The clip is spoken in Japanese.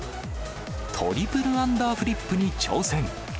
トリプルアンダーフリップに挑戦。